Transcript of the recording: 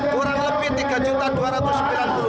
kurang lebih rp tiga dua ratus sembilan puluh